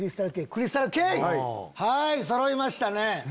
そろいましたね！